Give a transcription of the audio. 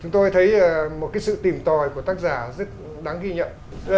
chúng tôi thấy một sự tìm tòi của tác giả rất đáng ghi nhận